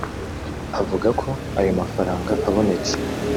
Avuga ko ayo mafaranga abonetse